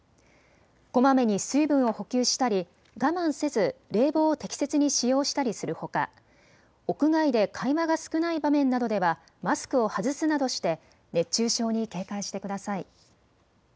こまめに水分を補給したり我慢せず冷房を適切に使用したりするほか屋外で会話が少ない場面などではマスクを外すなどして熱中症に警戒してください。